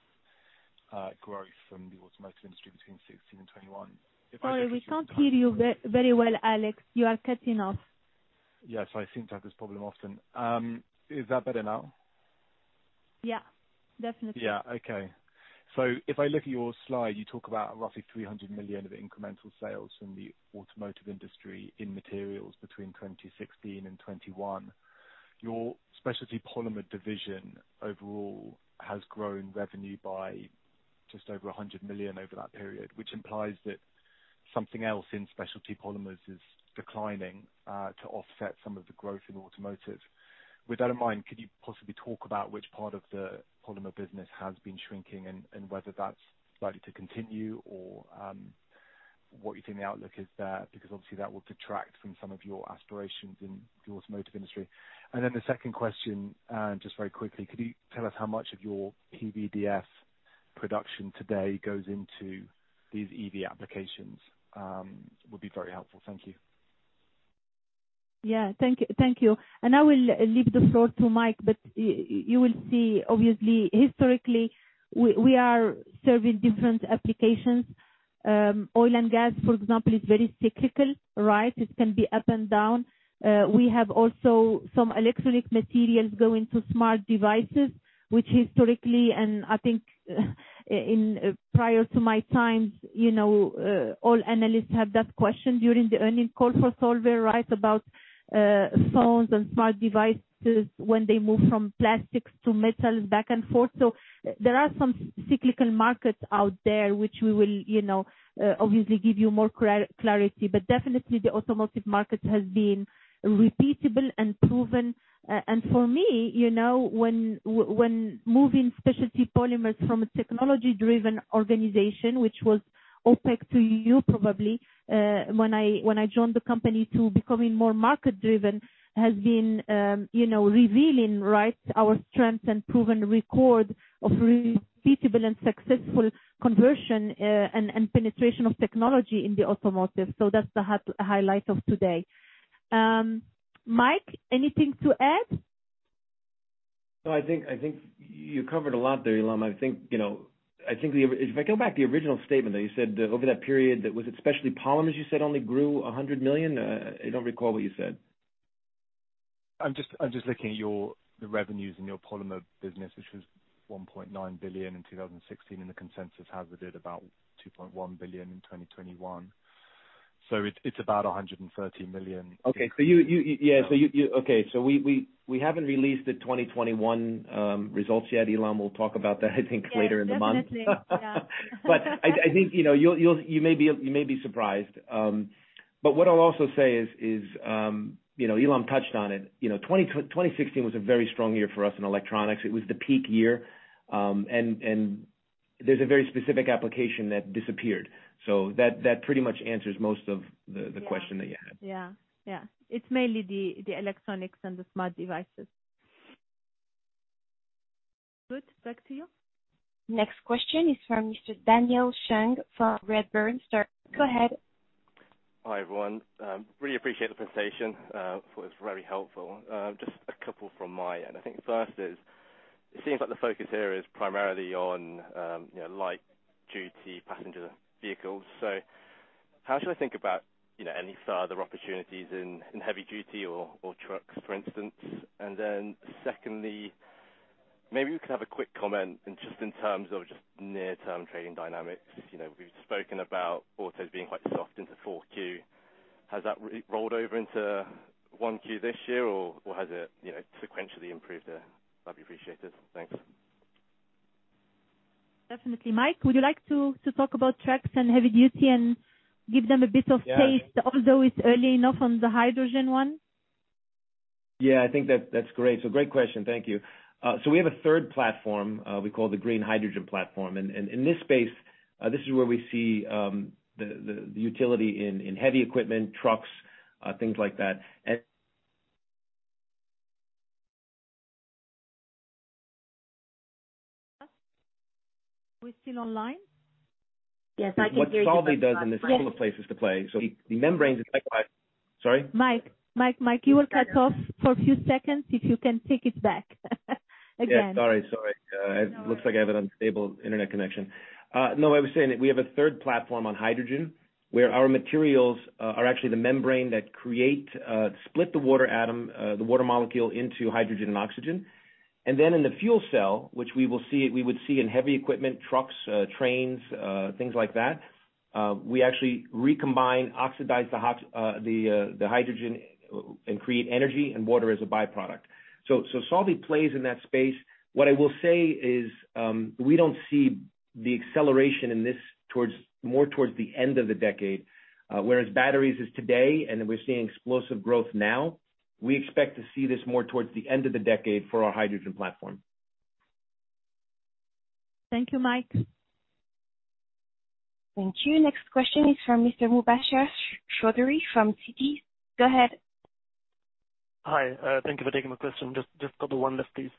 growth from the automotive industry between 2016 and 2021. Sorry, we can't hear you very well, Alex. You are cutting off. Yes, I seem to have this problem often. Is that better now? Yeah, definitely. Yeah. Okay. If I look at your slide, you talk about roughly 300 million of incremental sales from the automotive industry in materials between 2016 and 2021. Your Specialty Polymers division overall has grown revenue by just over 100 million over that period, which implies that something else in Specialty Polymers is declining to offset some of the growth in automotive. With that in mind, could you possibly talk about which part of the polymer business has been shrinking and whether that's likely to continue or what you think the outlook is there? Because obviously, that will detract from some of your aspirations in the automotive industry. Then the second question, just very quickly, could you tell us how much of your PVDF Production today goes into these EV applications, would be very helpful. Thank you. Yeah. Thank you, thank you. I will leave the floor to Mike, but you will see obviously historically, we are serving different applications. Oil and gas, for example, is very cyclical, right? It can be up and down. We have also some electronic materials going to smart devices, which historically, and I think, in prior to my time, you know, all analysts have that question during the earnings call for Solvay, right? About phones and smart devices when they move from plastics to metal, back and forth. There are some cyclical markets out there which we will, you know, obviously give you more clarity. But definitely the automotive market has been repeatable and proven. For me, you know, when when moving Specialty Polymers from a technology-driven organization, which was opaque to you probably, when I joined the company, to becoming more market-driven, has been, you know, revealing, right, our strengths and proven record of repeatable and successful conversion, and penetration of technology in the automotive. So that's the highlight of today. Mike, anything to add? No, I think you covered a lot there, Ilham. I think, you know, if I go back, the original statement that you said over that period, that was it? Specialty Polymers you said only grew 100 million? I don't recall what you said. I'm just looking at the revenues in your polymer business, which was 1.9 billion in 2016, and the consensus has it at about 2.1 billion in 2021. It's about 130 million. We haven't released the 2021 results yet, Ilham. We'll talk about that, I think, later in the month. Yeah, definitely. Yeah. I think you may be surprised. What I'll also say is Ilham touched on it. 2016 was a very strong year for us in electronics. It was the peak year. There's a very specific application that disappeared. That pretty much answers most of the question that you had. Yeah. It's mainly the electronics and the smart devices. Good. Back to you. Next question is from Mr. Daniel Chang from Redburn. Sir, go ahead. Hi, everyone. Really appreciate the presentation. Thought it was very helpful. Just a couple from my end. I think first is, it seems like the focus here is primarily on, you know, light-duty passenger vehicles. So how should I think about, you know, any further opportunities in heavy duty or trucks, for instance? Secondly, maybe we could have a quick comment in, just in terms of just near-term trading dynamics. You know, we've spoken about autos being quite soft into 4Q. Has that rolled over into 1Q this year? Or has it, you know, sequentially improved there? That'd be appreciated. Thanks. Definitely. Mike, would you like to talk about trucks and heavy duty and give them a bit of taste? Yeah. Although it's early enough on the hydrogen one? Yeah, I think that's great. Great question. Thank you. We have a third platform we call the green hydrogen platform. In this space, this is where we see the utility in heavy equipment, trucks, things like that. Are we still online? Yes, I can hear you. What Solvay does in this, all the places to play. The membranes is like my. Sorry? Mike, you were cut off for a few seconds if you can take it back again. Sorry. It looks like I have an unstable internet connection. No, I was saying that we have a third platform on hydrogen, where our materials are actually the membrane that split the water molecule into hydrogen and oxygen. Then in the fuel cell, which we would see in heavy equipment, trucks, trains, things like that, we actually recombine, oxidize the hydrogen and create energy and water as a byproduct. So Solvay plays in that space. What I will say is, we don't see the acceleration in this towards, more towards the end of the decade, whereas batteries is today and we're seeing explosive growth now. We expect to see this more towards the end of the decade for our hydrogen platform. Thank you, Mike. Thank you. Next question is from Mr. Mubasher Chowdhery from TD. Go ahead. Hi. Thank you for taking my question. Just got the one left, please.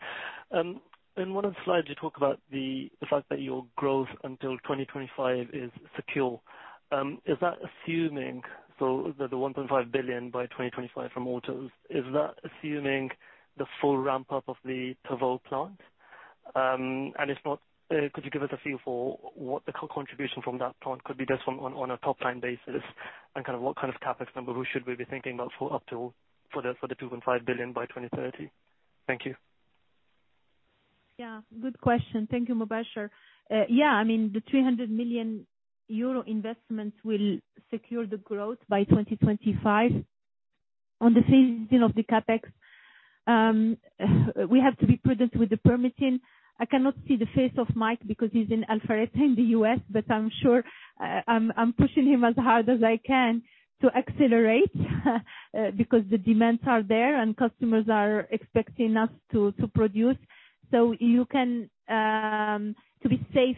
In one of the slides, you talk about the fact that your growth until 2025 is secure. Is that assuming the full ramp up of the Tavaux plant? If not, could you give us a feel for what the contribution from that plant could be, just on a top-line basis? What kind of CapEx number should we be thinking about for the 2.5 billion by 2030? Thank you. Yeah, good question. Thank you, Mubasher. Yeah, I mean, the 300 million euro investment will secure the growth by 2025. On the same thing of the CapEx, we have to be prudent with the permitting. I cannot see the face of Mike because he's in Alpharetta in the U.S., but I'm sure, I'm pushing him as hard as I can to accelerate, because the demands are there and customers are expecting us to produce. So you can, to be safe,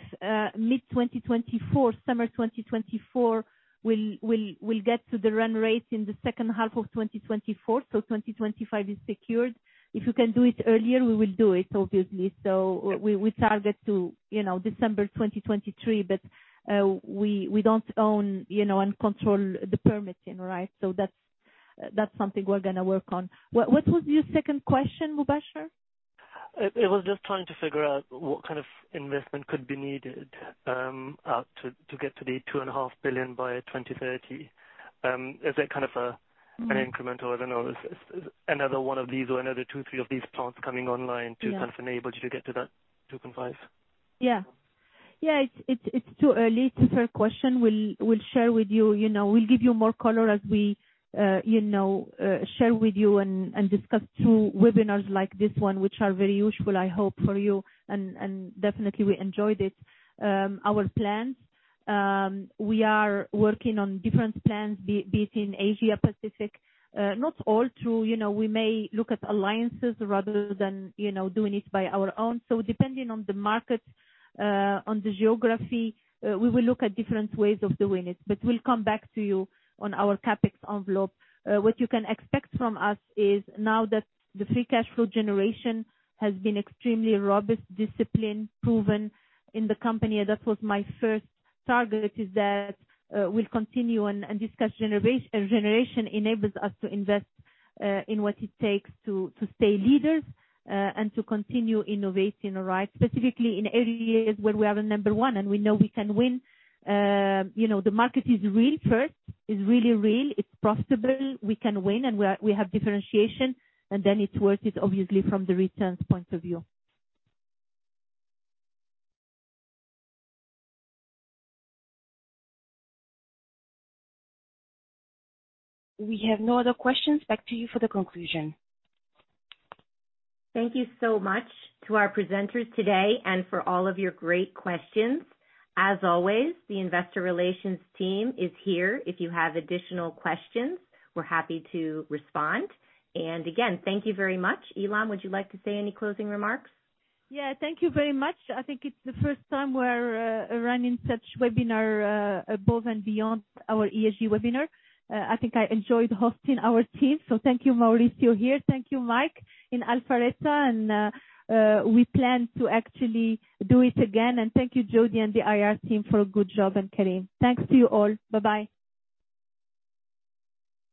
mid-2024, summer 2024, we'll get to the run rate in the second half of 2024, so 2025 is secured. If we can do it earlier, we will do it, obviously. So we target to, you know, December 2023, but, we don't own, you know, and control the permitting, right? That's something we're gonna work on. What was your second question, Mubasher? I was just trying to figure out what kind of investment could be needed to get to 2.5 billion by 2030. Is that kind of an incremental or I don't know, is another one of these or another two, three of these plants coming online? Yeah. to kind of enable you to get to that 2.5 billion? It's too early for the third question. We'll share with you know. We'll give you more color as we share with you and discuss through webinars like this one, which are very useful, I hope, for you and definitely we enjoyed it. Our plans, we are working on different plans, be it in Asia Pacific, not all through. You know, we may look at alliances rather than, you know, doing it on our own. Depending on the market, on the geography, we will look at different ways of doing it. We'll come back to you on our CapEx envelope. What you can expect from us is now that the free cash flow generation has been extremely robust, disciplined, proven in the company, and that was my first target is that, we'll continue and discuss generation. Generation enables us to invest in what it takes to stay leaders and to continue innovating, right? Specifically in areas where we are the number one and we know we can win. You know, the market is real first. It's really real. It's profitable. We can win, and we have differentiation and then it's worth it obviously from the returns point of view. We have no other questions. Back to you for the conclusion. Thank you so much to our presenters today and for all of your great questions. As always, the investor relations team is here. If you have additional questions, we're happy to respond. Again, thank you very much. Ilham, would you like to say any closing remarks? Yeah. Thank you very much. I think it's the first time we're running such webinar above and beyond our ESG webinar. I think I enjoyed hosting our team. Thank you, Maurizio here. Thank you, Mike in Alpharetta. We plan to actually do it again. Thank you, Jody and the IR team for a good job and Karim. Thanks to you all. Bye-bye.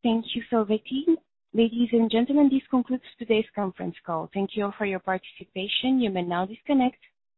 Thank you. The team. Ladies and gentlemen, this concludes today's conference call. Thank you all for your participation. You may now disconnect.